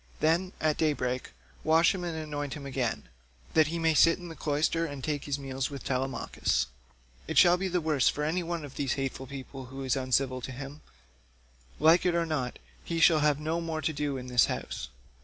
Then, at day break wash him and anoint him again, that he may sit in the cloister and take his meals with Telemachus. It shall be the worse for any one of these hateful people who is uncivil to him; like it or not, he shall have no more to do in this house.